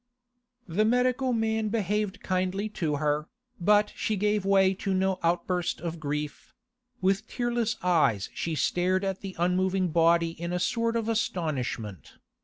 The medical man behaved kindly to her, but she gave way to no outburst of grief; with tearless eyes she stared at the unmoving body in a sort of astonishment.